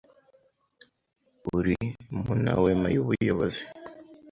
ari mu nawema y'ubuyobozi.